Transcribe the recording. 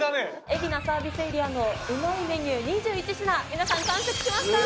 海老名サービスエリアのうまいメニュー２１品皆さん完食しました！